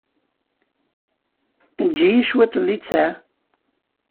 Eǧǧ-iyi cwiṭ n littseɛ.